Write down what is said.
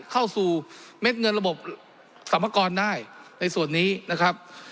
เข้าสู่เม็ดเงินระบบสรรพากรได้ในส่วนนี้นะครับ